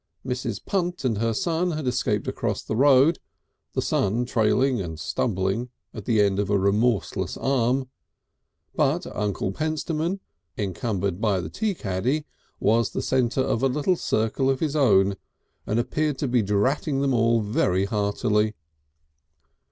Mrs. Punt and her son had escaped across the road, the son trailing and stumbling at the end of a remorseless arm, but Uncle Pentstemon, encumbered by the tea caddy, was the centre of a little circle of his own, and appeared to be dratting them all very heartily.